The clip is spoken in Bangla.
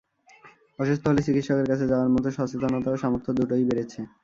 অসুস্থ হলে চিকিৎসকের কাছে যাওয়ার মতো সচেতনতা ও সামর্থ্য দুটোই বেড়েছে।